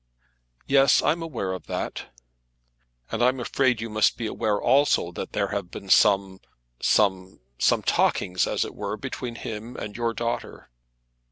"Yes, I'm aware of that." "And I'm afraid you must be aware also that there have been some, some, some talkings as it were, between him and your daughter."